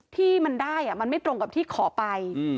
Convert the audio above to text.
ที่มันได้มันไม่ตรงกับที่ขอไป